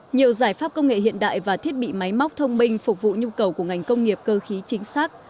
nhiều giải pháp công nghệ hiện đại và thiết bị máy móc thông minh phục vụ nhu cầu của ngành công nghiệp cơ khí chính xác